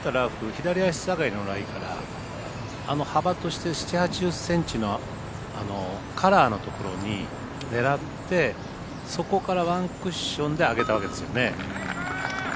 左足下がりのライからあの幅として７０８０ｃｍのカラーのところに狙ってそこからワンクッションで上げたわけですよね。